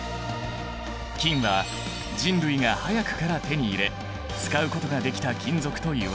金は人類が早くから手に入れ使うことができた金属といわれている。